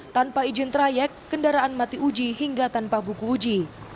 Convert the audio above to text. tanpa izin trayek kendaraan mati uji hingga tanpa buku uji